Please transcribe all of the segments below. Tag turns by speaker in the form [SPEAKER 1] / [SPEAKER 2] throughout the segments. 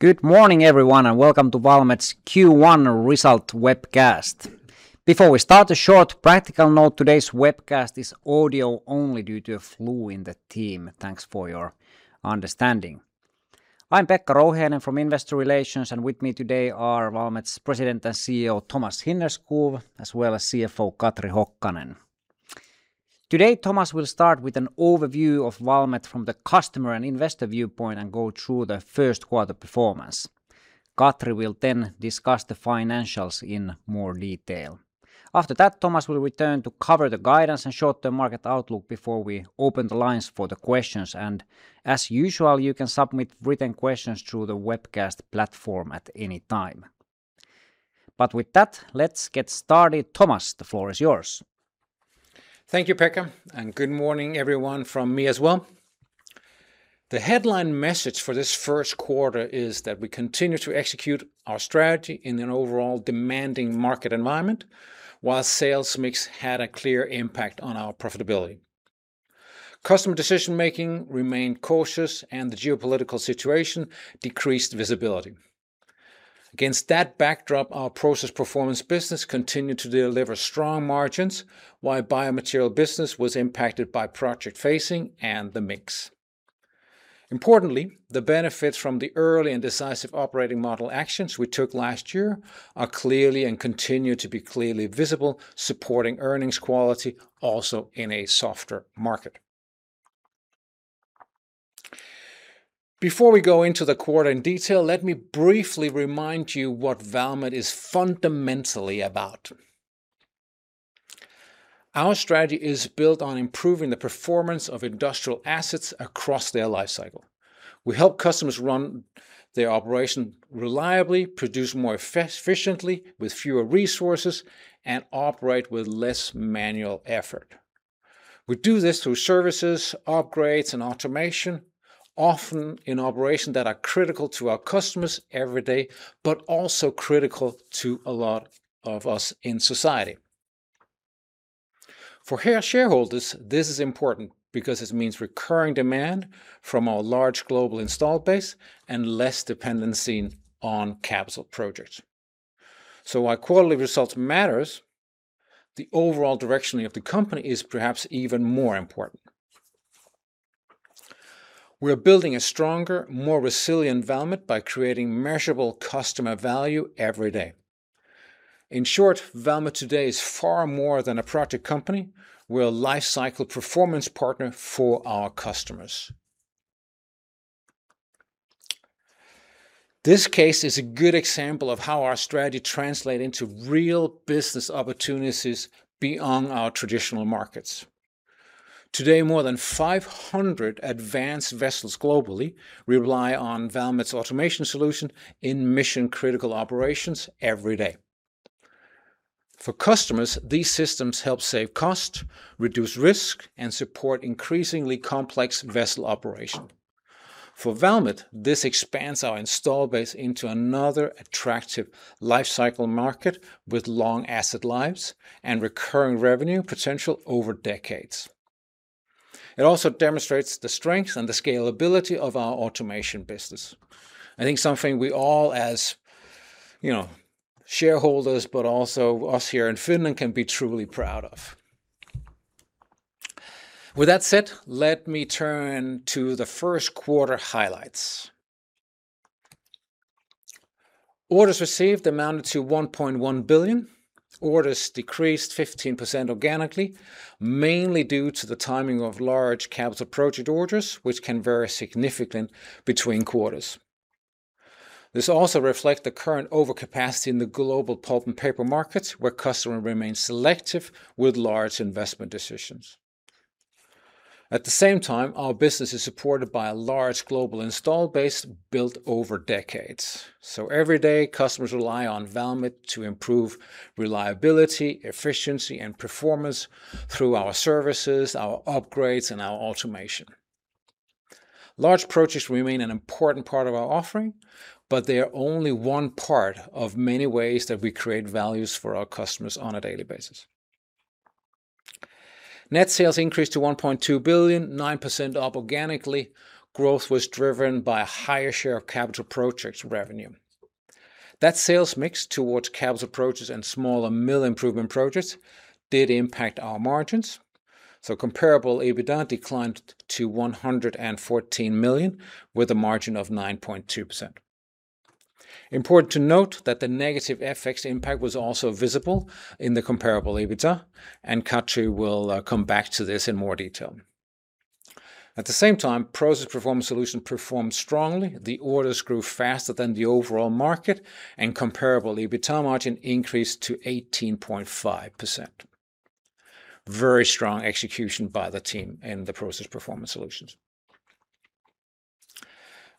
[SPEAKER 1] Good morning, everyone, and welcome to Valmet's Q1 result webcast. Before we start, a short practical note. Today's webcast is audio only due to a flu in the team. Thanks for your understanding. I'm Pekka Rouhiainen from Investor Relations, and with me today are Valmet's President and CEO, Thomas Hinnerskov, as well as CFO, Katri Hokkanen. Today, Thomas will start with an overview of Valmet from the customer and investor viewpoint and go through the first quarter performance. Katri will then discuss the financials in more detail. After that, Thomas will return to cover the guidance and short-term market outlook before we open the lines for the questions. You can submit written questions through the webcast platform at any time. With that, let's get started. Thomas, the floor is yours.
[SPEAKER 2] Thank you, Pekka, and good morning everyone from me as well. The headline message for this first quarter is that we continue to execute our strategy in an overall demanding market environment, while sales mix had a clear impact on our profitability. Customer decision-making remained cautious, and the geopolitical situation decreased visibility. Against that backdrop, our Process Performance business continued to deliver strong margins, while biomaterial business was impacted by project phasing and the mix. Importantly, the benefits from the early and decisive operating model actions we took last year are clearly visible and continue to be clearly visible, supporting earnings quality also in a softer market. Before we go into the quarter in detail, let me briefly remind you what Valmet is fundamentally about. Our strategy is built on improving the performance of industrial assets across their life cycle. We help customers run their operations reliably, produce more efficiently with fewer resources, and operate with less manual effort. We do this through services, upgrades, and automation, often in operations that are critical to our customers every day, but also critical to a lot of us in society. For shareholders, this is important because it means recurring demand from our large global installed base and less dependency on capital projects. While quarterly results matters, the overall direction of the company is perhaps even more important. We're building a stronger, more resilient Valmet by creating measurable customer value every day. In short, Valmet today is far more than a project company. We're a lifecycle performance partner for our customers. This case is a good example of how our strategy translate into real business opportunities beyond our traditional markets. Today, more than 500 advanced vessels globally rely on Valmet's automation solution in mission-critical operations every day. For customers, these systems help save cost, reduce risk, and support increasingly complex vessel operation. For Valmet, this expands our install base into another attractive lifecycle market with long asset lives and recurring revenue potential over decades. It also demonstrates the strength and the scalability of our automation business. I think something we all, as, you know, shareholders, but also us here in Finland, can be truly proud of. With that said, let me turn to the first quarter highlights. Orders received amounted to 1.1 billion. Orders decreased 15% organically, mainly due to the timing of large capital project orders, which can vary significantly between quarters. This also reflects the current overcapacity in the global pulp and paper markets, where customers remain selective with large investment decisions. At the same time, our business is supported by a large global install base built over decades. Every day, customers rely on Valmet to improve reliability, efficiency, and performance through our services, our upgrades, and our automation. Large projects remain an important part of our offering, but they are only one part of many ways that we create values for our customers on a daily basis. Net sales increased to 1.2 billion, 9% up organically. Growth was driven by a higher share of capital projects revenue. That sales mix towards capital projects and smaller mill improvement projects did impact our margins, so comparable EBITDA declined to 114 million, with a margin of 9.2%. Important to note that the negative FX impact was also visible in the comparable EBITDA, and Katri will come back to this in more detail. At the same time, Process Performance Solutions performed strongly. The orders grew faster than the overall market, and comparable EBITDA margin increased to 18.5%. Very strong execution by the team in the Process Performance Solutions.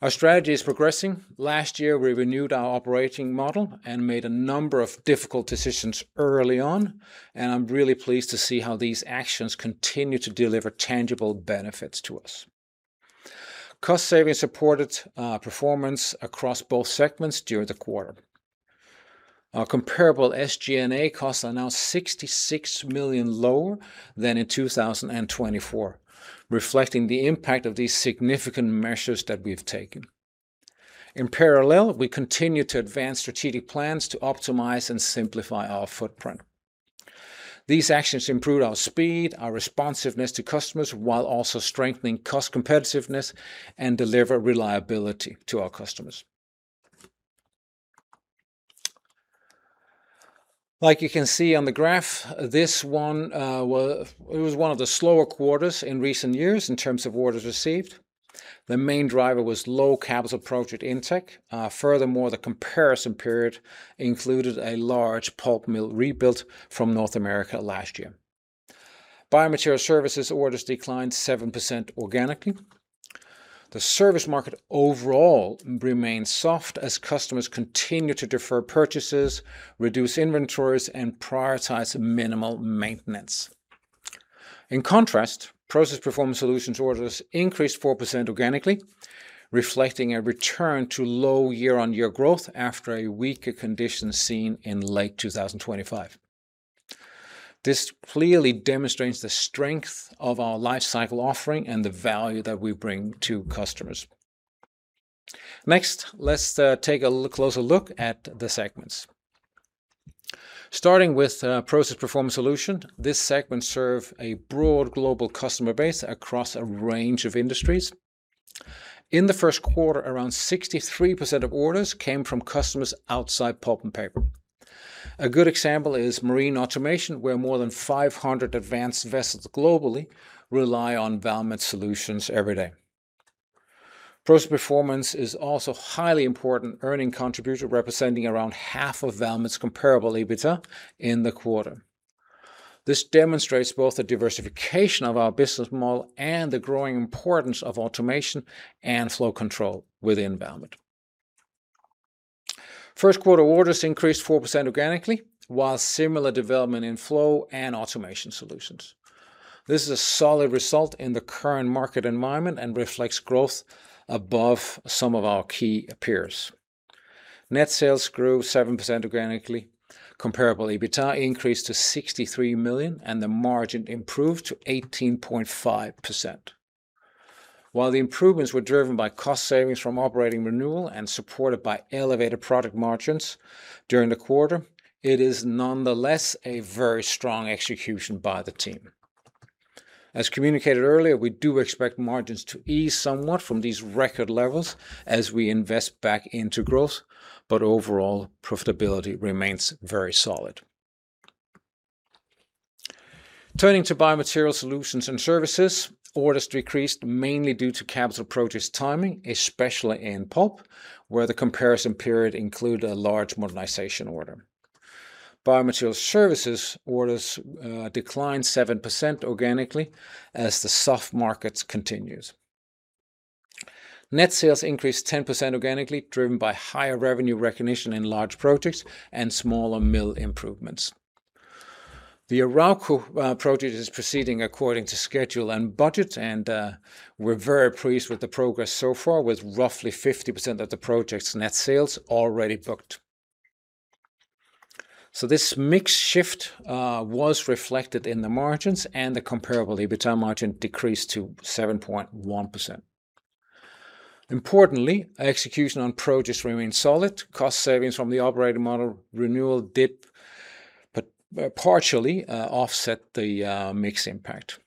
[SPEAKER 2] Our strategy is progressing. Last year, we renewed our operating model and made a number of difficult decisions early on, and I'm really pleased to see how these actions continue to deliver tangible benefits to us. Cost savings supported performance across both segments during the quarter. Our comparable SG&A costs are now 66 million lower than in 2024, reflecting the impact of these significant measures that we've taken. In parallel, we continue to advance strategic plans to optimize and simplify our footprint. These actions improve our speed, our responsiveness to customers, while also strengthening cost competitiveness and delivery reliability to our customers. Like you can see on the graph, this one, it was one of the slower quarters in recent years in terms of orders received. The main driver was low capital project in tech. Furthermore, the comparison period included a large pulp mill rebuilt from North America last year. Biomaterial Services orders declined 7% organically. The service market overall remains soft as customers continue to defer purchases, reduce inventories, and prioritize minimal maintenance. In contrast, Process Performance Solutions orders increased 4% organically, reflecting a return to low year-on-year growth after a weaker condition seen in late 2025. This clearly demonstrates the strength of our life cycle offering and the value that we bring to customers. Next, let's take a closer look at the segments. Starting with Process Performance Solutions, this segment serves a broad global customer base across a range of industries. In the first quarter, around 63% of orders came from customers outside pulp and paper. A good example is marine automation, where more than 500 advanced vessels globally rely on Valmet solutions every day. Process Performance is also a highly important earnings contributor representing around half of Valmet's Comparable EBITDA in the quarter. This demonstrates both the diversification of our business model and the growing importance of automation and flow control within Valmet. First quarter orders increased 4% organically, with similar development in flow and automation solutions. This is a solid result in the current market environment and reflects growth above some of our key peers. Net sales grew 7% organically. Comparable EBITDA increased to 63 million, and the margin improved to 18.5%. While the improvements were driven by cost savings from operating renewal and supported by elevated product margins during the quarter, it is nonetheless a very strong execution by the team. As communicated earlier, we do expect margins to ease somewhat from these record levels as we invest back into growth, but overall profitability remains very solid. Turning to Biomaterial Solutions and Services, orders decreased mainly due to capital projects timing, especially in pulp, where the comparison period included a large modernization order. Biomaterial Services orders declined 7% organically as the soft markets continues. Net sales increased 10% organically, driven by higher revenue recognition in large projects and smaller mill improvements. The Arauco project is proceeding according to schedule and budget, and we're very pleased with the progress so far with roughly 50% of the project's net sales already booked. This mix shift was reflected in the margins, and the Comparable EBITDA margin decreased to 7.1%. Importantly, execution on projects remains solid. Cost savings from the operating model renewal did but partially offset the mix impact.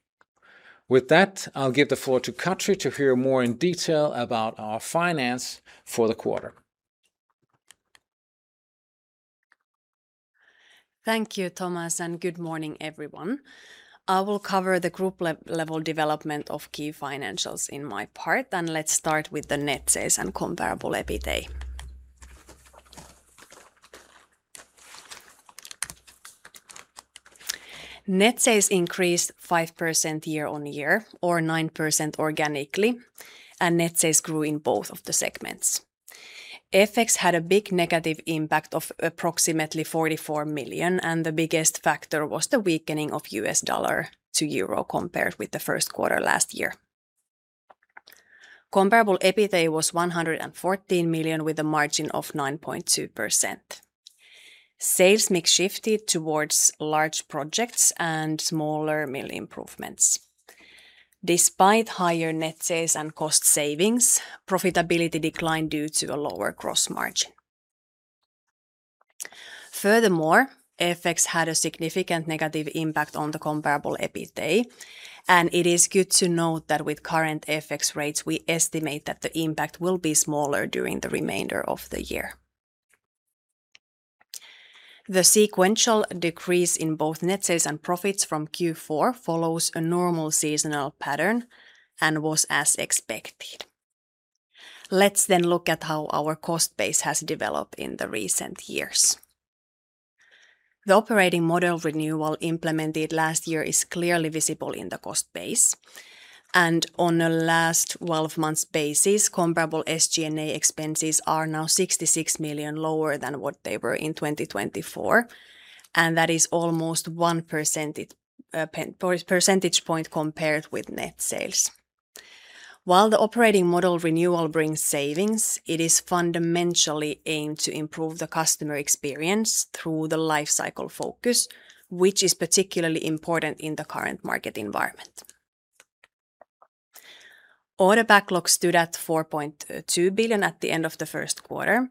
[SPEAKER 2] With that, I'll give the floor to Katri to hear more in detail about our finances for the quarter.
[SPEAKER 3] Thank you, Thomas, and good morning, everyone. I will cover the group level development of key financials in my part, and let's start with the net sales and comparable EBITA. Net sales increased 5% year-on-year, or 9% organically, and net sales grew in both of the segments. FX had a big negative impact of approximately 44 million, and the biggest factor was the weakening of U.S. dollar to euro compared with the first quarter last year. Comparable EBITA was 114 million with a margin of 9.2%. Sales mix shifted towards large projects and smaller mill improvements. Despite higher net sales and cost savings, profitability declined due to a lower gross margin. Furthermore, FX had a significant negative impact on the comparable EBITA, and it is good to note that with current FX rates, we estimate that the impact will be smaller during the remainder of the year. The sequential decrease in both net sales and profits from Q4 follows a normal seasonal pattern and was as expected. Let's then look at how our cost base has developed in the recent years. The operating model renewal implemented last year is clearly visible in the cost base, and on a last 12 months basis, comparable SG&A expenses are now 66 million lower than what they were in 2024, and that is almost 1 percentage point compared with net sales. While the operating model renewal brings savings, it is fundamentally aimed to improve the customer experience through the life cycle focus, which is particularly important in the current market environment. Order backlogs stood at 4.2 billion at the end of the first quarter,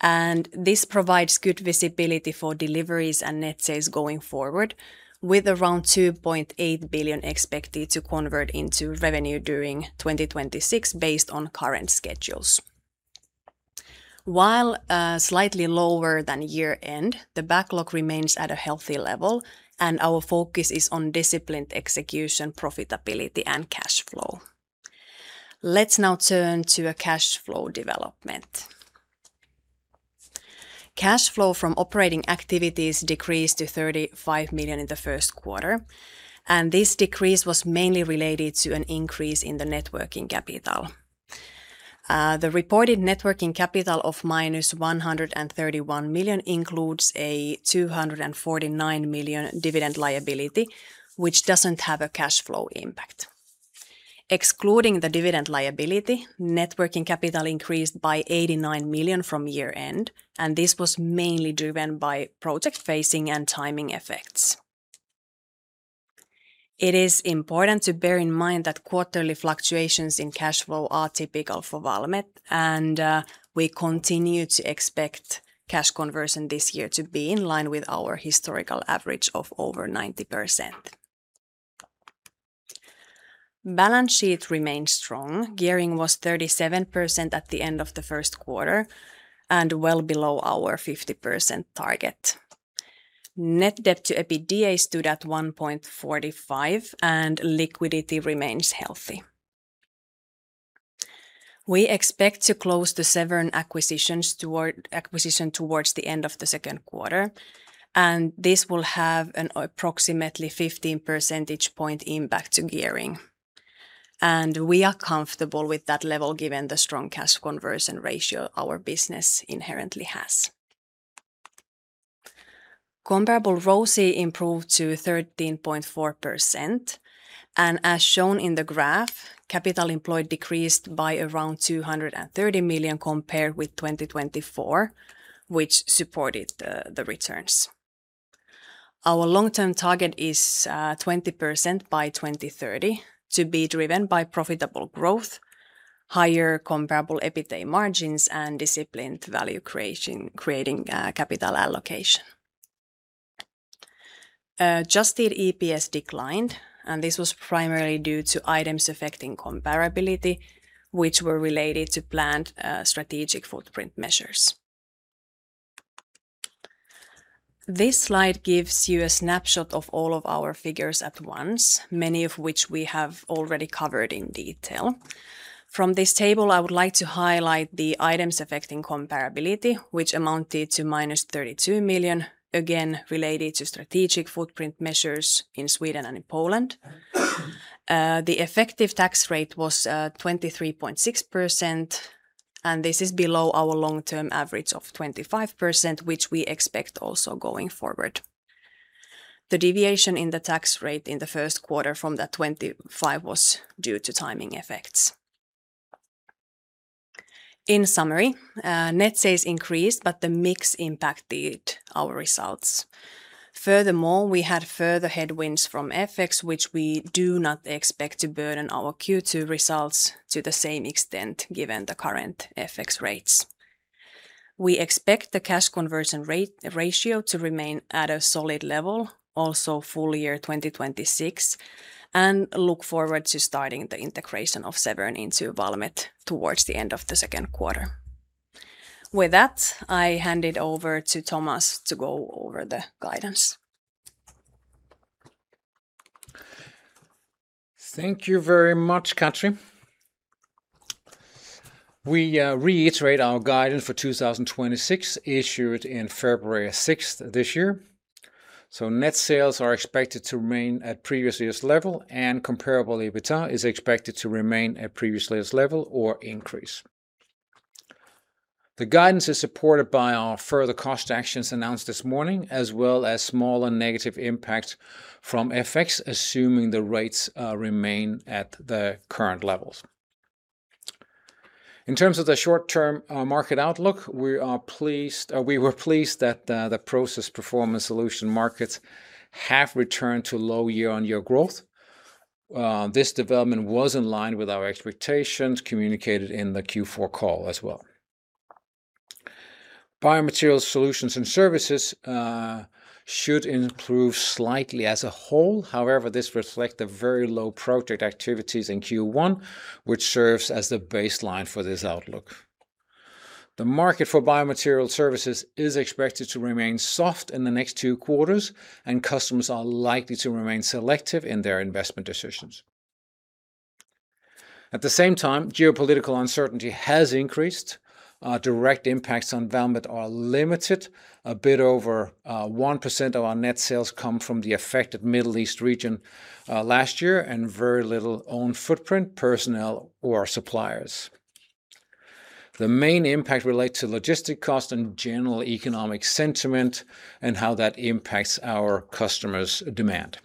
[SPEAKER 3] and this provides good visibility for deliveries and net sales going forward, with around 2.8 billion expected to convert into revenue during 2026 based on current schedules. While slightly lower than year-end, the backlog remains at a healthy level, and our focus is on disciplined execution, profitability, and cash flow. Let's now turn to cash flow development. Cash flow from operating activities decreased to 35 million in the first quarter, and this decrease was mainly related to an increase in the net working capital. The reported net working capital of -131 million includes a 249 million dividend liability, which doesn't have a cash flow impact. Excluding the dividend liability, net working capital increased by 89 million from year-end, and this was mainly driven by project phasing and timing effects. It is important to bear in mind that quarterly fluctuations in cash flow are typical for Valmet, and we continue to expect cash conversion this year to be in line with our historical average of over 90%. Balance sheet remains strong. Gearing was 37% at the end of the first quarter and well below our 50% target. Net debt to EBITDA stood at 1.45x, and liquidity remains healthy. We expect to close the Severn acquisition towards the end of the second quarter, and this will have an approximately 15 percentage point impact to gearing, and we are comfortable with that level given the strong cash conversion ratio our business inherently has. Comparable ROCE improved to 13.4%, and as shown in the graph, capital employed decreased by around 230 million compared with 2024, which supported the returns. Our long-term target is 20% by 2030 to be driven by profitable growth, higher comparable EBITDA margins, and disciplined value creation, capital allocation. Adjusted EPS declined, and this was primarily due to items affecting comparability, which were related to planned strategic footprint measures. This slide gives you a snapshot of all of our figures at once, many of which we have already covered in detail. From this table, I would like to highlight the items affecting comparability, which amounted to -32 million, again related to strategic footprint measures in Sweden and in Poland. The effective tax rate was 23.6%, and this is below our long-term average of 25%, which we expect also going forward. The deviation in the tax rate in the first quarter from that 25% was due to timing effects. In summary, net sales increased, but the mix impacted our results. Furthermore, we had further headwinds from FX, which we do not expect to burden our Q2 results to the same extent given the current FX rates. We expect the cash conversion rate ratio to remain at a solid level, also full year 2026, and look forward to starting the integration of Severn into Valmet towards the end of the second quarter. With that, I hand it over to Thomas to go over the guidance.
[SPEAKER 2] Thank you very much, Katri. We reiterate our guidance for 2026 issued in February 6 this year. Net sales are expected to remain at previous year's level, and comparable EBITDA is expected to remain at previous year's level or increase. The guidance is supported by our further cost actions announced this morning, as well as smaller negative impact from FX, assuming the rates remain at the current levels. In terms of the short-term market outlook, we were pleased that the Process Performance Solutions markets have returned to low year-on-year growth. This development was in line with our expectations communicated in the Q4 call as well. Biomaterial Solutions and Services should improve slightly as a whole. However, this reflect the very low project activities in Q1, which serves as the baseline for this outlook. The market for Biomaterials Services is expected to remain soft in the next two quarters, and customers are likely to remain selective in their investment decisions. At the same time, geopolitical uncertainty has increased. Direct impacts on Valmet are limited. A bit over 1% of our net sales come from the affected Middle East region last year, and very little own footprint, personnel, or suppliers. The main impact relates to logistic cost and general economic sentiment and how that impacts our customers' demand.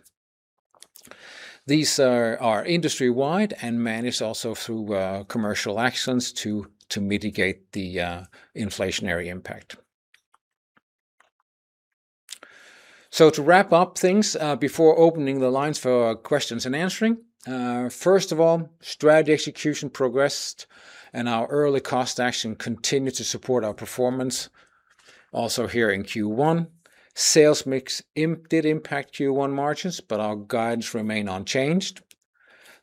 [SPEAKER 2] These are industry-wide and managed also through commercial actions to mitigate the inflationary impact. To wrap up things before opening the lines for questions and answering, first of all, strategy execution progressed, and our early cost action continued to support our performance also here in Q1. Sales mix did impact Q1 margins, but our guidance remain unchanged.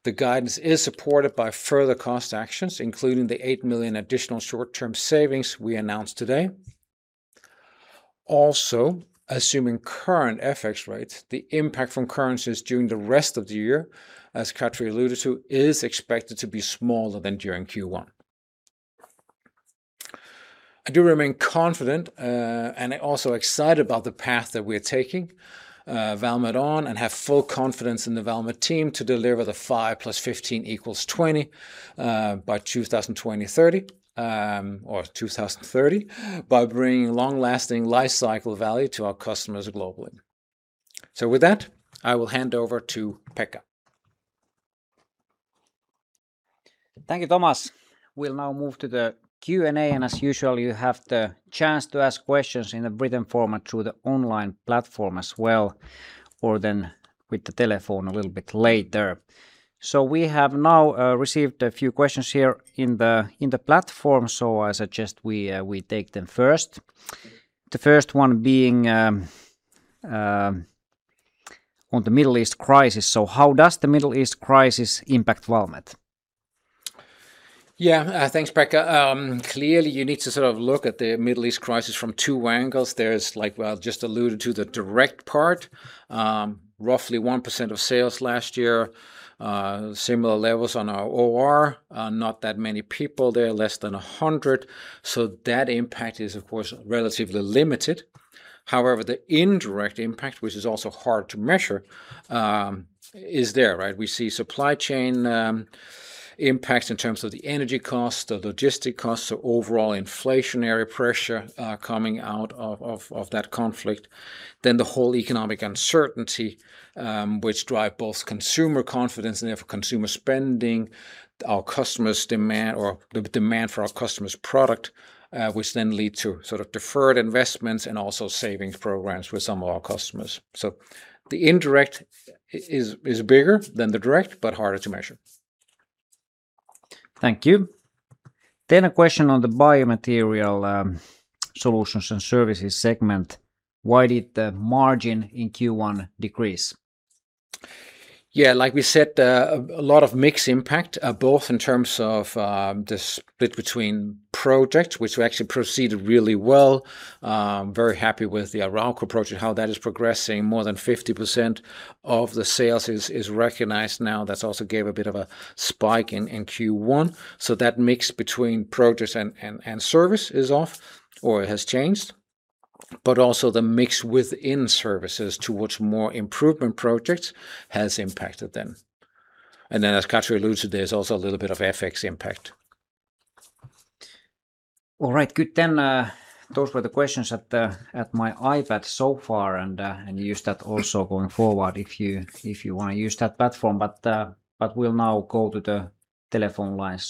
[SPEAKER 2] The guidance is supported by further cost actions, including the 8 million additional short-term savings we announced today. Also, assuming current FX rates, the impact from currencies during the rest of the year, as Katri alluded to, is expected to be smaller than during Q1. I do remain confident and also excited about the path that we're taking Valmet on, and have full confidence in the Valmet team to deliver the 5 + 15 = 20 by 2030, by bringing long-lasting life cycle value to our customers globally. With that, I will hand over to Pekka.
[SPEAKER 1] Thank you, Thomas. We'll now move to the Q&A, and as usual, you have the chance to ask questions in a written format through the online platform as well, or then with the telephone a little bit later. We have now received a few questions here in the platform, so I suggest we take them first. The first one being on the Middle East crisis. How does the Middle East crisis impact Valmet?
[SPEAKER 2] Yeah, thanks, Pekka. Clearly you need to sort of look at the Middle East crisis from two angles. There is, like I just alluded to, the direct part, roughly 1% of sales last year, similar levels on our OR. Not that many people there, less than 100%, so that impact is, of course, relatively limited. However, the indirect impact, which is also hard to measure, is there, right? We see supply chain impacts in terms of the energy cost, the logistic cost, so overall inflationary pressure, coming out of that conflict. Then the whole economic uncertainty, which drive both consumer confidence and therefore consumer spending, our customers' demand or the demand for our customers' product, which then lead to sort of deferred investments and also savings programs with some of our customers. The indirect is bigger than the direct, but harder to measure.
[SPEAKER 1] Thank you. A question on the Biomaterial Solutions and Services segment. Why did the margin in Q1 decrease?
[SPEAKER 2] Yeah, like we said, a lot of mix impact, both in terms of the split between projects, which we actually proceeded really well. Very happy with the Arauco project, how that is progressing. More than 50% of the sales is recognized now. That's also gave a bit of a spike in Q1. That mix between projects and service is off or has changed. Also the mix within services towards more improvement projects has impacted them. As Katri alluded, there's also a little bit of FX impact.
[SPEAKER 1] All right. Good. Those were the questions at my iPad so far, and you use that also going forward if you wanna use that platform. We'll now go to the telephone line.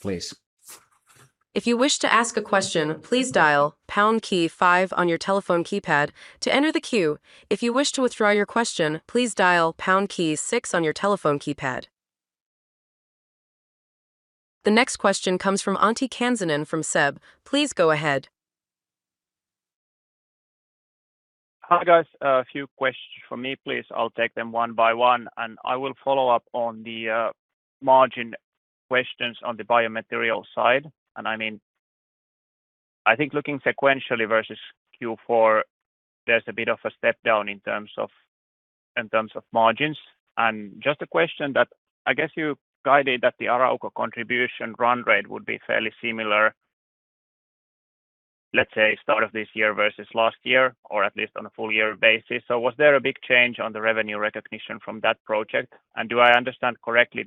[SPEAKER 1] Please.
[SPEAKER 4] If you wish to ask a question please dial pound key five on your telephone keypad to enter the queue. If you wish to withdraw your question please dial pound key six on your telephone keypad. The next question comes from Antti Kansanen from SEB. Please go ahead.
[SPEAKER 5] Hi, guys. A few questions from me, please. I'll take them one by one, and I will follow up on the margin questions on the Biomaterial side. I mean, I think looking sequentially versus Q4, there's a bit of a step down in terms of margins. Just a question that I guess you guided that the Arauco contribution run rate would be fairly similar, let's say, start of this year versus last year, or at least on a full year basis. Was there a big change on the revenue recognition from that project? Do I understand correctly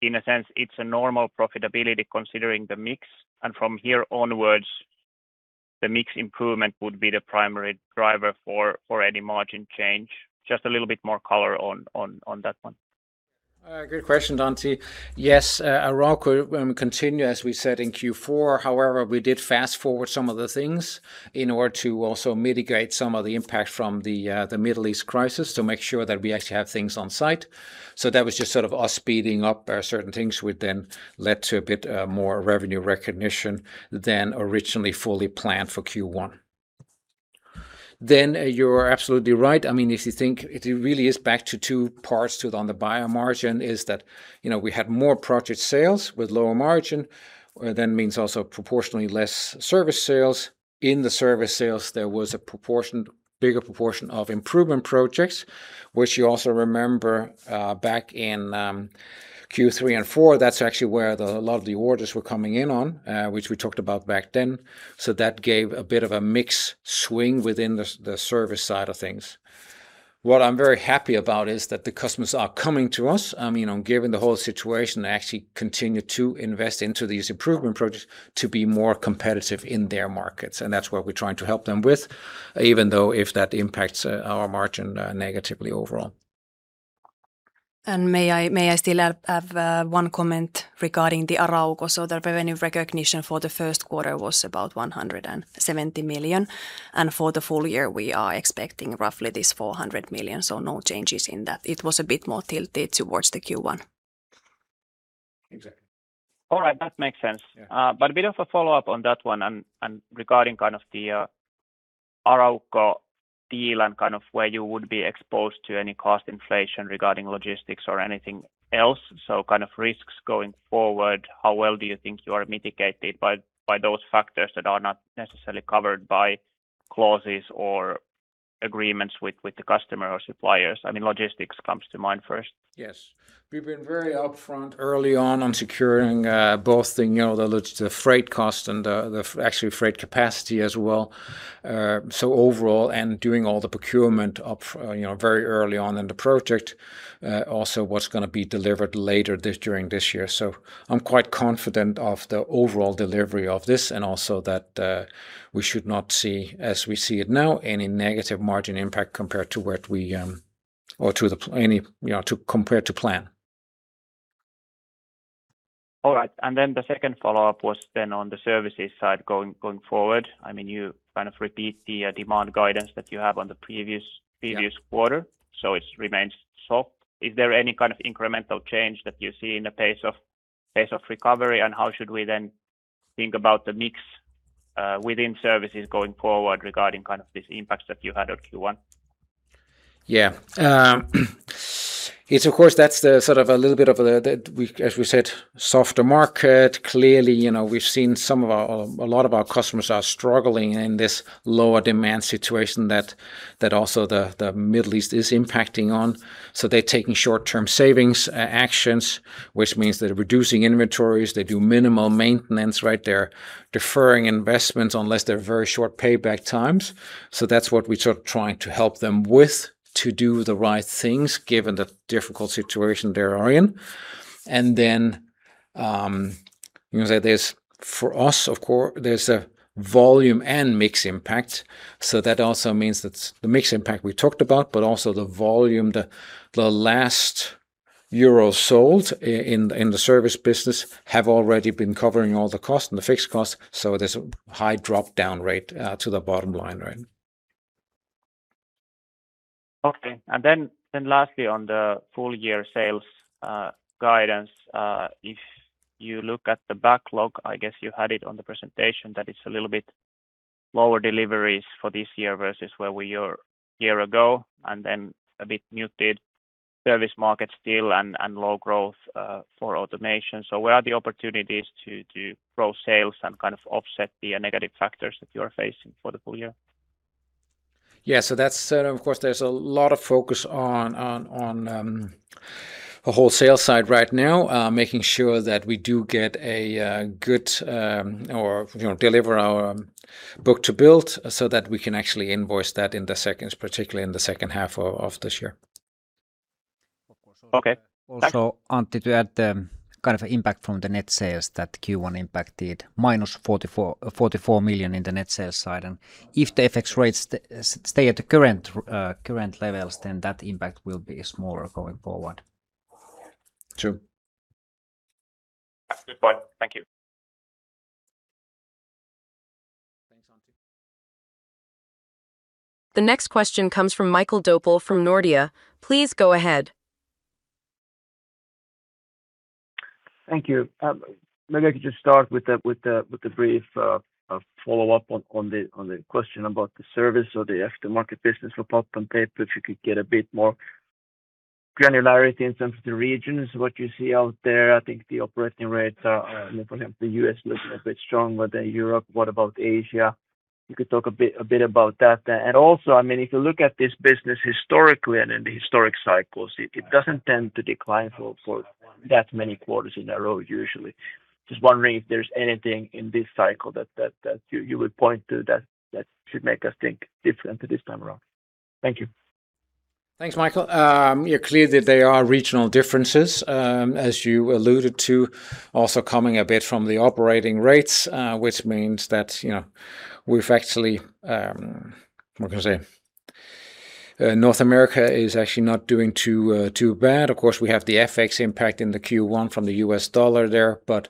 [SPEAKER 5] that in a sense it's a normal profitability considering the mix, and from here onwards, the mix improvement would be the primary driver for any margin change? Just a little bit more color on that one.
[SPEAKER 2] Great question, Antti. Yes, Arauco will continue as we said in Q4. However, we did fast-forward some of the things in order to also mitigate some of the impact from the Middle East crisis to make sure that we actually have things on site. That was just sort of us speeding up certain things which then led to a bit more revenue recognition than originally fully planned for Q1. You're absolutely right. I mean, if you think it really is back to two parts to it. On the Biomaterial is that, you know, we had more project sales with lower margin. That means also proportionally less service sales. In the service sales, there was a bigger proportion of improvement projects, which you also remember back in Q3 and Q4. That's actually where a lot of the orders were coming in on, which we talked about back then. That gave a bit of a mix swing within the service side of things. What I'm very happy about is that the customers are coming to us, you know, given the whole situation. They actually continue to invest into these improvement projects to be more competitive in their markets, and that's what we're trying to help them with, even if that impacts our margin negatively overall.
[SPEAKER 3] May I still have one comment regarding Arauco? The revenue recognition for the first quarter was about 170 million, and for the full year, we are expecting roughly 400 million, so no changes in that. It was a bit more tilted towards the Q1.
[SPEAKER 2] Exactly.
[SPEAKER 5] All right. That makes sense.
[SPEAKER 2] Yeah.
[SPEAKER 5] A bit of a follow-up on that one and regarding kind of the Arauco deal and kind of where you would be exposed to any cost inflation regarding logistics or anything else, so kind of risks going forward, how well do you think you are mitigated by those factors that are not necessarily covered by clauses or agreements with the customer or suppliers? I mean, logistics comes to mind first.
[SPEAKER 2] Yes. We've been very upfront early on securing both the, you know, the freight cost and the actual freight capacity as well. So overall, doing all the procurement of, you know, very early on in the project, also what's gonna be delivered during this year. So I'm quite confident of the overall delivery of this and also that we should not see, as we see it now, any negative margin impact compared to what we or to any, you know, compared to plan.
[SPEAKER 5] All right. Then the second follow-up was then on the services side going forward. I mean, you kind of repeat the demand guidance that you have on the previous-
[SPEAKER 2] Yeah...
[SPEAKER 5] previous quarter, so it remains soft. Is there any kind of incremental change that you see in the pace of recovery, and how should we then think about the mix within services going forward regarding kind of these impacts that you had on Q1?
[SPEAKER 2] It's of course that's the sort of a little bit of the softer market. Clearly, you know, a lot of our customers are struggling in this lower demand situation that also the Middle East is impacting on. They're taking short-term savings actions, which means they're reducing inventories. They do minimal maintenance, right? They're deferring investments unless they're very short payback times. That's what we're sort of trying to help them with to do the right things given the difficult situation they are in. Then you can say there's. For us, there's a volume and mix impact, so that also means that the mix impact we talked about, but also the volume, the last euro sold in the service business have already been covering all the costs and the fixed costs, so there's a high drop-down rate to the bottom line, right?
[SPEAKER 5] Okay. Lastly, on the full year sales guidance, if you look at the backlog, I guess you had it on the presentation that it's a little bit lower deliveries for this year versus where we were a year ago and then a bit muted service market still and low growth for automation. Where are the opportunities to grow sales and kind of offset the negative factors that you are facing for the full year?
[SPEAKER 2] Of course, there's a lot of focus on the wholesale side right now, making sure that we do get a good OR, you know, deliver our book-to-bill so that we can actually invoice that in the segments, particularly in the second half of this year.
[SPEAKER 5] Okay.
[SPEAKER 2] Also-
[SPEAKER 1] Also, Antti, to add the kind of impact from the net sales that Q1 impacted, -44 million in the net sales side. If the FX rates stay at the current levels, then that impact will be smaller going forward.
[SPEAKER 2] True.
[SPEAKER 5] Good point. Thank you.
[SPEAKER 1] Thanks, Antti.
[SPEAKER 4] The next question comes from Mikael Doepel from Nordea. Please go ahead.
[SPEAKER 6] Thank you. Maybe I could just start with a brief follow-up on the question about the service or the aftermarket business for top comps, if you could get a bit more granularity in terms of the regions, what you see out there. I think the operating rates are, for example, U.S. looks a bit stronger than Europe. What about Asia? You could talk a bit about that. I mean, if you look at this business historically and in the historic cycles, it doesn't tend to decline for that many quarters in a row usually. Just wondering if there's anything in this cycle that you would point to that should make us think differently this time around. Thank you.
[SPEAKER 2] Thanks, Mikael. Yeah, clearly there are regional differences, as you alluded to, also coming a bit from the operating rates, which means that, you know, we've actually. What can I say? North America is actually not doing too bad. Of course, we have the FX impact in the Q1 from the U.S. dollar there, but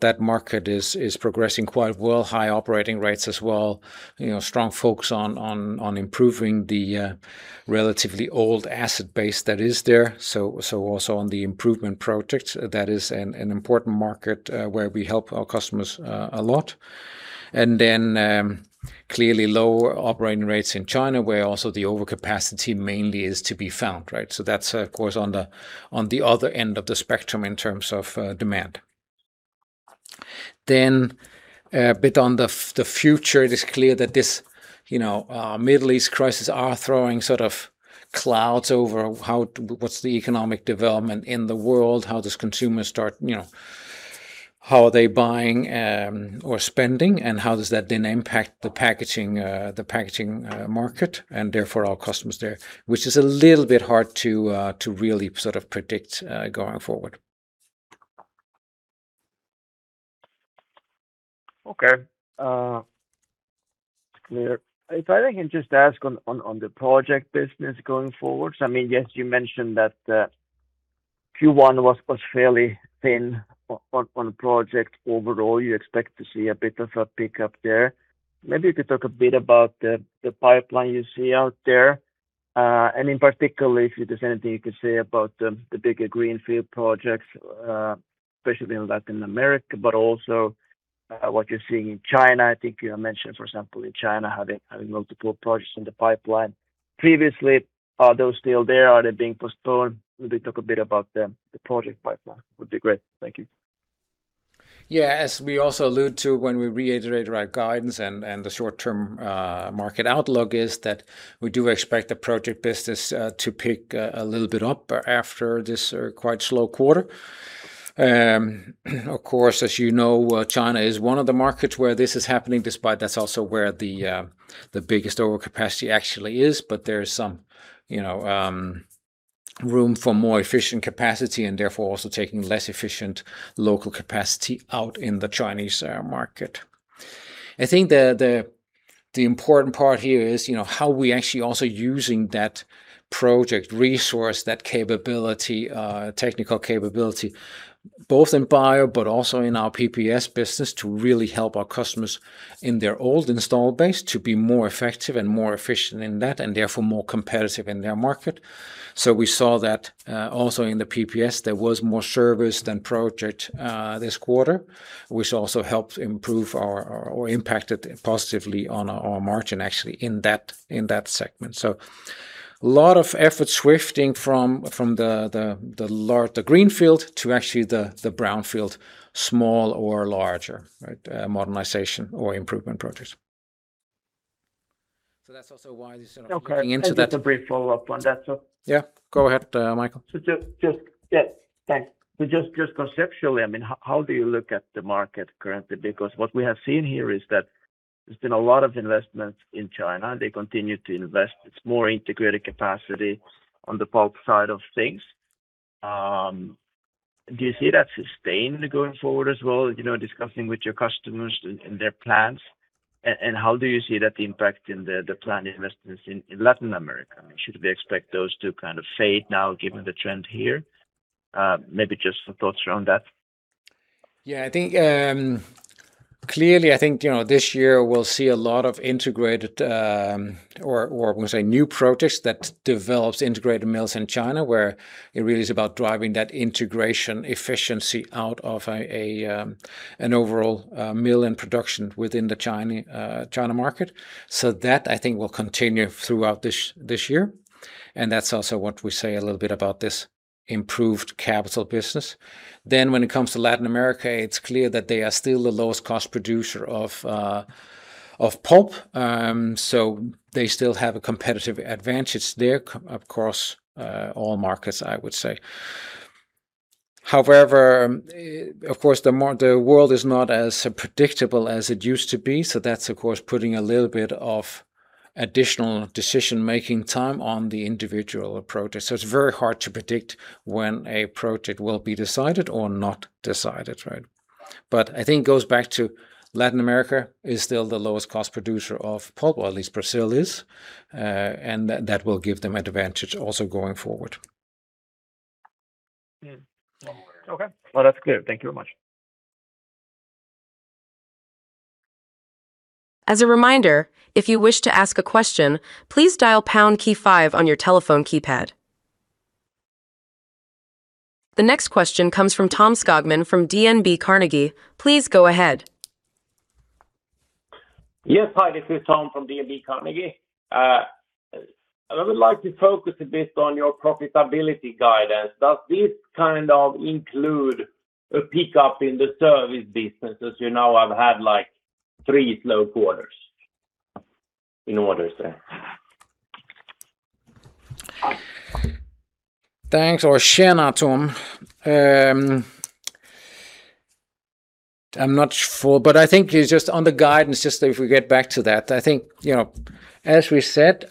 [SPEAKER 2] that market is progressing quite well, high operating rates as well, you know, strong focus on improving the relatively old asset base that is there. Also on the improvement projects, that is an important market where we help our customers a lot. Clearly lower operating rates in China, where also the overcapacity mainly is to be found, right? That's of course on the other end of the spectrum in terms of demand. A bit on the future, it is clear that this Middle East crisis is throwing sort of clouds over what's the economic development in the world. How do consumers start? How are they buying or spending, and how does that then impact the packaging market, and therefore our customers there, which is a little bit hard to really sort of predict going forward.
[SPEAKER 6] Okay. Clear. If I can just ask on the project business going forwards. I mean, yes, you mentioned that Q1 was fairly thin on project overall. You expect to see a bit of a pickup there. Maybe if you talk a bit about the pipeline you see out there, and in particular, if there's anything you could say about the bigger greenfield projects, especially in Latin America, but also what you're seeing in China. I think you mentioned, for example, in China having multiple projects in the pipeline previously. Are those still there? Are they being postponed? Maybe talk a bit about the project pipeline would be great. Thank you.
[SPEAKER 2] Yeah. As we also allude to when we reiterated our guidance and the short-term market outlook is that we do expect the project business to pick a little bit up after this quite slow quarter. Of course, as you know, China is one of the markets where this is happening, despite that it's also where the biggest overcapacity actually is. But there is some, you know, room for more efficient capacity and therefore also taking less efficient local capacity out in the Chinese market. I think the important part here is, you know, how we actually also using that project resource, that capability, technical capability, both in bio but also in our PPS business to really help our customers in their old installed base to be more effective and more efficient in that, and therefore more competitive in their market. We saw that, also in the PPS, there was more service than project, this quarter, which also helped improve our or impacted positively on our margin actually in that segment. A lot of effort shifting from the greenfield to actually the brownfield, small or larger, right? Modernization or improvement projects. That's also why this sort of looking into that.
[SPEAKER 6] Okay. Maybe just a brief follow-up on that.
[SPEAKER 2] Yeah, go ahead, Mikael.
[SPEAKER 6] Just conceptually, I mean, how do you look at the market currently? Because what we have seen here is that there's been a lot of investments in China. They continue to invest. It's more integrated capacity on the pulp side of things. Do you see that sustained going forward as well, you know, discussing with your customers and their plans? How do you see that impacting the planned investments in Latin America? I mean, should we expect those to kind of fade now given the trend here? Maybe just some thoughts around that.
[SPEAKER 2] I think clearly, I think, you know, this year we'll see a lot of integrated or we'll say new projects that develops integrated mills in China, where it really is about driving that integration efficiency out of an overall mill in production within the China market. That I think will continue throughout this year, and that's also what we say a little bit about this improved capital business. When it comes to Latin America, it's clear that they are still the lowest cost producer of pulp. They still have a competitive advantage there across all markets, I would say. However, of course, the world is not as predictable as it used to be. That's of course putting a little bit of additional decision-making time on the individual projects. It's very hard to predict when a project will be decided or not decided, right? I think it goes back to Latin America is still the lowest cost producer of pulp, or at least Brazil is, and that will give them advantage also going forward.
[SPEAKER 6] Okay. Well, that's clear. Thank you very much.
[SPEAKER 4] As a reminder if you want to ask a question please dial pound key on your telephone keypad. The next question comes from Tom Skogman from DNB Carnegie. Please go ahead.
[SPEAKER 7] Yes. Hi, this is Tom from DNB Carnegie. I would like to focus a bit on your profitability guidance. Does this kind of include a pickup in the service business, as you know I've had, like, three slow quarters in orders there?
[SPEAKER 2] Thanks. [Tjena] Tom. I'm not sure, but I think just on the guidance, just if we get back to that, I think, you know, as we said,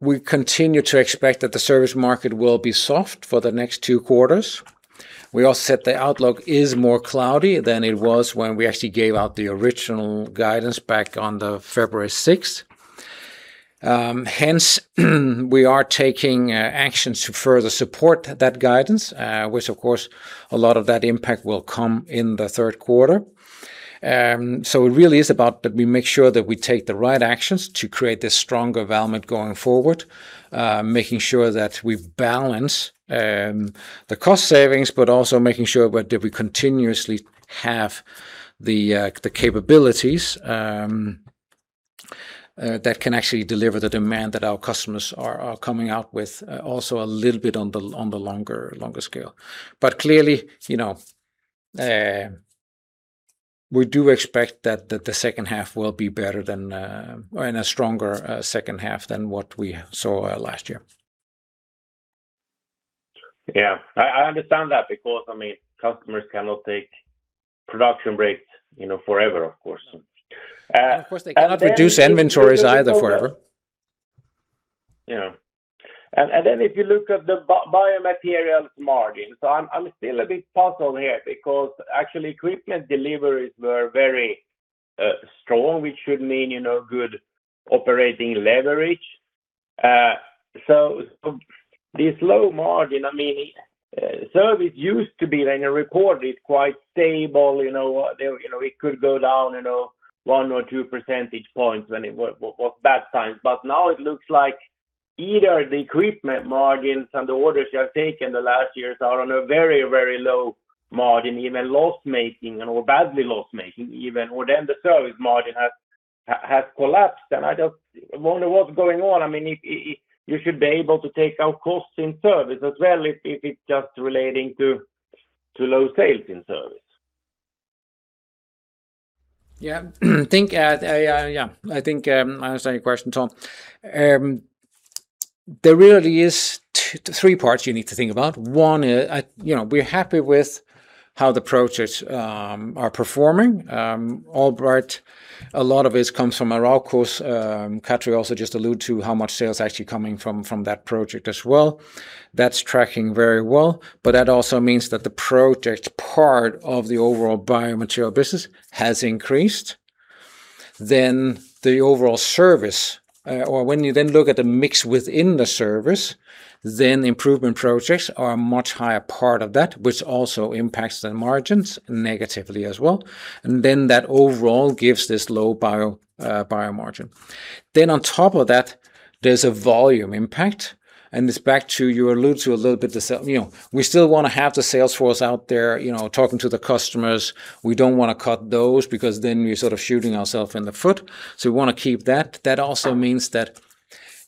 [SPEAKER 2] we continue to expect that the service market will be soft for the next two quarters. We also said the outlook is more cloudy than it was when we actually gave out the original guidance back on the February 6th. Hence, we are taking actions to further support that guidance, which of course, a lot of that impact will come in the third quarter. It really is about that we make sure that we take the right actions to create this stronger Valmet going forward, making sure that we balance the cost savings, but also making sure that we continuously have the capabilities that can actually deliver the demand that our customers are coming out with, also a little bit on the longer scale. Clearly, you know, we do expect that the second half will be better than and a stronger second half than what we saw last year.
[SPEAKER 7] Yeah. I understand that because, I mean, customers cannot take production breaks, you know, forever, of course. If you-
[SPEAKER 2] Of course, they cannot reduce inventories either forever.
[SPEAKER 7] Yeah. If you look at the biomaterials margin, I'm still a bit puzzled here because actually equipment deliveries were very strong, which should mean, you know, good operating leverage. This low margin, I mean, service used to be, in a report, quite stable. You know, they, you know, it could go down 1 or 2 percentage points when it was bad times. Now it looks like either the equipment margins and the orders you have taken the last years are on a very low margin, even loss-making or badly loss-making even, or then the service margin has collapsed. I wonder what's going on. I mean, if you should be able to take out costs in service as well if it's just relating to low sales in service.
[SPEAKER 2] I think I understand your question, Tom. There really is three parts you need to think about. One is, you know, we're happy with how the projects are performing. Alright, a lot of it comes from Arauco. Katri also just alluded to how much sales actually coming from that project as well. That's tracking very well, but that also means that the project part of the overall Biomaterial business has increased. Then the overall Services, or when you then look at the mix within the Services, then improvement projects are a much higher part of that, which also impacts the margins negatively as well. That overall gives this low Biomaterial margin. On top of that, there's a volume impact, and this goes back to what you alluded to a little bit. You know, we still wanna have the sales force out there, you know, talking to the customers. We don't wanna cut those because then we're sort of shooting ourselves in the foot, so we wanna keep that. That also means that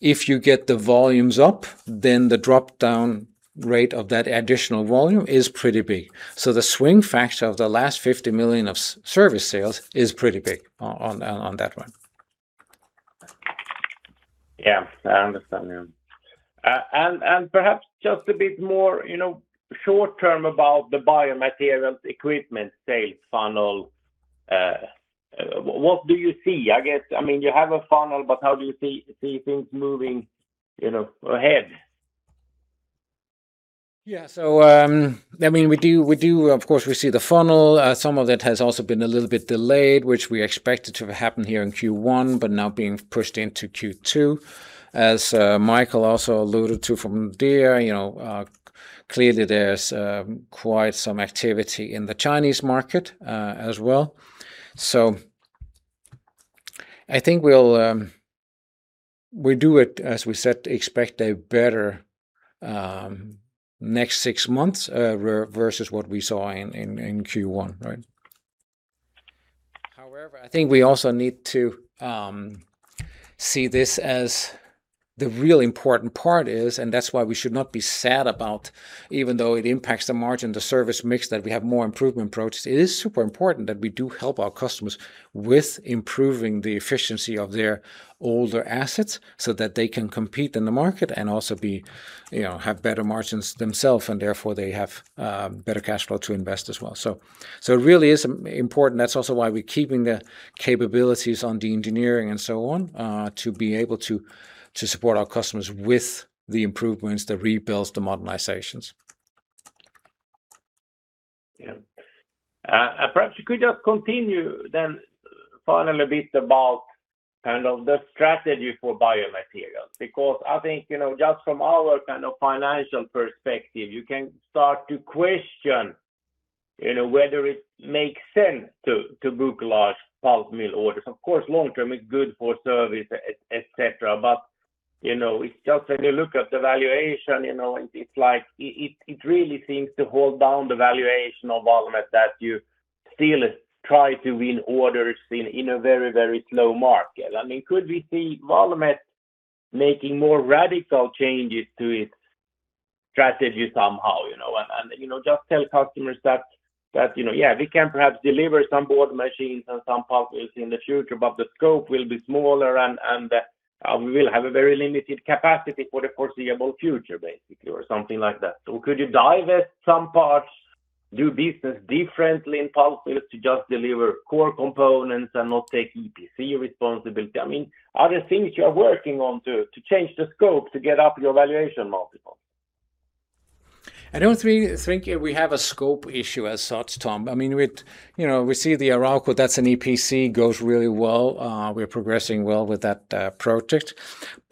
[SPEAKER 2] if you get the volumes up, then the drop-down rate of that additional volume is pretty big. So the swing factor of the last 50 million of service sales is pretty big on that one.
[SPEAKER 7] Yeah. I understand. Yeah. And perhaps just a bit more, you know, short term about the Biomaterials equipment sales funnel, what do you see? I guess, I mean, you have a funnel, but how do you see things moving, you know, ahead?
[SPEAKER 2] Yeah. I mean, we do. Of course, we see the funnel. Some of that has also been a little bit delayed, which we expected to happen here in Q1, but now being pushed into Q2. As Mikael also alluded to from there, you know, clearly there's quite some activity in the Chinese market, as well. I think we do, as we said, expect a better next six months versus what we saw in Q1, right? However, I think we also need to see this as the real important part is, and that's why we should not be sad about even though it impacts the margin, the service mix, that we have more improvement approaches. It is super important that we do help our customers with improving the efficiency of their older assets, so that they can compete in the market and also be, you know, have better margins themselves, and therefore they have better cash flow to invest as well. It really is important. That's also why we're keeping the capabilities on de-engineering and so on, to be able to support our customers with the improvements, the rebuilds, the modernizations.
[SPEAKER 7] Perhaps you could just continue then finally a bit about kind of the strategy for Biomaterials. Because I think, you know, just from our kind of financial perspective, you can start to question, you know, whether it makes sense to book large pulp mill orders. Of course, long term, it's good for service, etc, and so on, but, you know, it's just when you look at the valuation, you know, it's like it really seems to hold down the valuation of Valmet that you still try to win orders in a very slow market. I mean, could we see Valmet making more radical changes to its strategy somehow, you know? You know, just tell customers that you know, yeah, we can perhaps deliver some board machines and some pulp mills in the future, but the scope will be smaller and we will have a very limited capacity for the foreseeable future, basically, or something like that. Could you divest some parts, do business differently in pulp mills to just deliver core components and not take EPC responsibility? I mean, are there things you are working on to change the scope to get up your valuation multiple?
[SPEAKER 2] I don't think we have a scope issue as such, Tom. I mean, we, you know, we see the Arauco, that's an EPC, goes really well. We're progressing well with that project.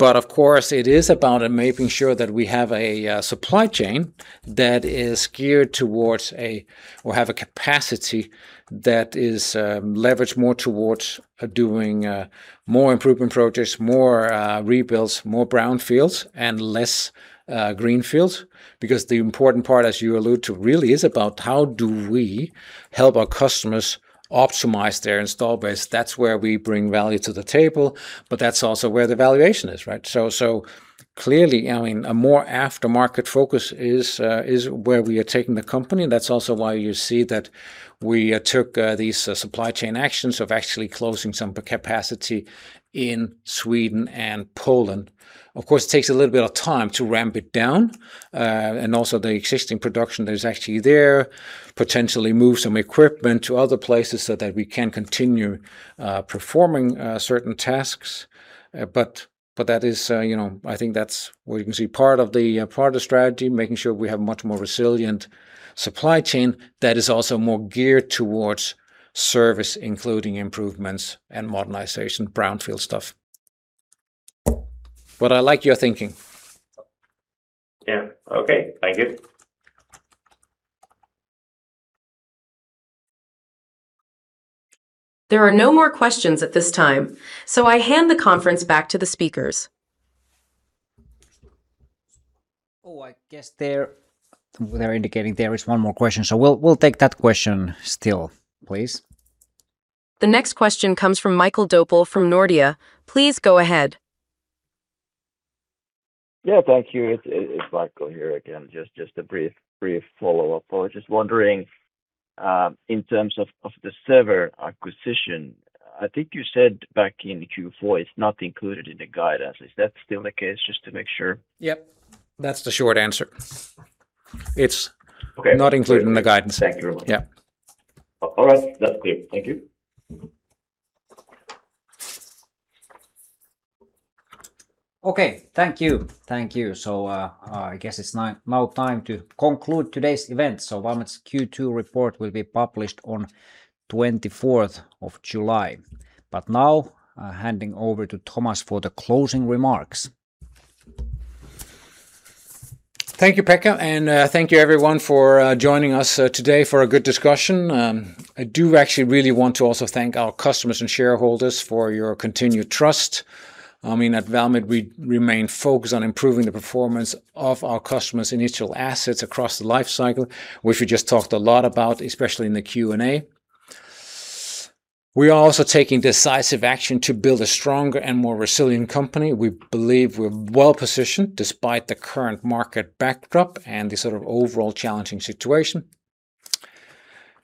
[SPEAKER 2] Of course, it is about making sure that we have a supply chain that is geared towards or have a capacity that is leveraged more towards doing more improvement projects, more rebuilds, more brownfields, and less greenfields. Because the important part, as you allude to, really is about how do we help our customers optimize their install base? That's where we bring value to the table, but that's also where the valuation is, right? Clearly, I mean, a more aftermarket focus is where we are taking the company. That's also why you see that we took these supply chain actions of actually closing some capacity in Sweden and Poland. Of course, it takes a little bit of time to ramp it down and also the existing production that is actually there, potentially move some equipment to other places so that we can continue performing certain tasks. That is, you know, I think that's where you can see part of the strategy, making sure we have much more resilient supply chain that is also more geared towards service, including improvements and modernization, brownfield stuff. I like your thinking.
[SPEAKER 7] Yeah. Okay. Thank you.
[SPEAKER 4] There are no more questions at this time, so I hand the conference back to the speakers.
[SPEAKER 1] They're indicating there is one more question, so we'll take that question still, please.
[SPEAKER 4] The next question comes from Mikael Doepel from Nordea. Please go ahead.
[SPEAKER 6] Yeah, thank you. It's Mikael here again. Just a brief follow-up. I was just wondering in terms of the Severn acquisition, I think you said back in Q4 it's not included in the guidance. Is that still the case? Just to make sure.
[SPEAKER 2] Yep. That's the short answer-
[SPEAKER 6] Okay.
[SPEAKER 2] ...not included in the guidance.
[SPEAKER 6] Thank you very much.
[SPEAKER 2] Yeah.
[SPEAKER 6] All right. That's clear. Thank you.
[SPEAKER 1] Okay. Thank you. Thank you. I guess it's now time to conclude today's event. Valmet's Q2 report will be published on July 24th. Now handing over to Thomas for the closing remarks.
[SPEAKER 2] Thank you, Pekka, and thank you everyone for joining us today for a good discussion. I do actually really want to also thank our customers and shareholders for your continued trust. I mean, at Valmet we remain focused on improving the performance of our customers' initial assets across the life cycle, which we just talked a lot about, especially in the Q&A. We are also taking decisive action to build a stronger and more resilient company. We believe we're well-positioned despite the current market backdrop and the sort of overall challenging situation.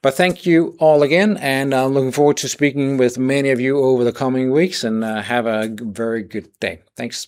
[SPEAKER 2] Thank you all again, and I'm looking forward to speaking with many of you over the coming weeks, and have a very good day. Thanks a lot.